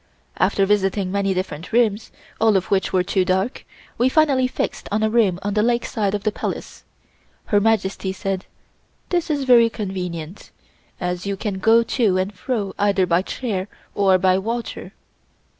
After visiting many different rooms, all of which were too dark, we finally fixed on a room on the lake side of the Palace. Her Majesty said: "This is very convenient, as you can go to and fro either by chair or by water."